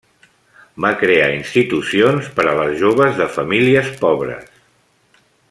Va crear institucions per a les joves de famílies pobres.